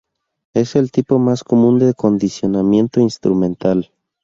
Es el tipo más común de condicionamiento instrumental.